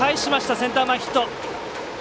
センター前ヒット。